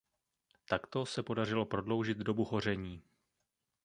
Takto se podařilo prodloužit dobu hoření.